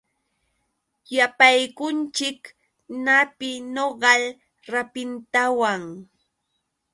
Yapaykunchik napi nogal rapintawan.